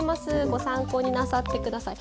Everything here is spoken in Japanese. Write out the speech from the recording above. ご参考になさってください。